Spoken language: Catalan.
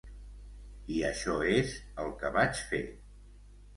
I això és el que vaig fer.